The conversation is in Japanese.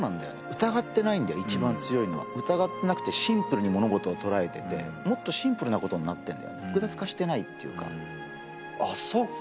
疑ってないんだよ一番強いのは疑ってなくてシンプルに物事を捉えていてもっとシンプルなことになってるんだよ複雑化してないっていうかあっそっか